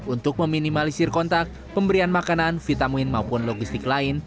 untuk meminimalisir kontak pemberian makanan vitamin maupun logistik lain